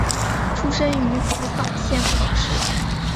出身于福冈县福冈市。